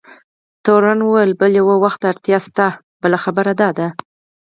تورن وویل: بلي، وخت ته اړتیا شته، بله خبره دا ده.